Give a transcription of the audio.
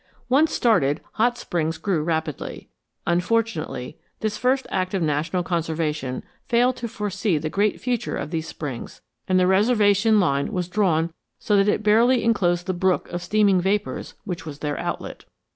Once started, Hot Springs grew rapidly. Unfortunately, this first act of national conservation failed to foresee the great future of these springs, and the reservation line was drawn so that it barely enclosed the brook of steaming vapors which was their outlet.